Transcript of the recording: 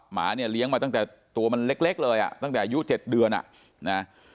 หมาเนี่ยเลี้ยงมาตั้งแต่ตัวมันเล็กเลยอ่ะตั้งแต่อายุ๗เดือนอ่ะนะ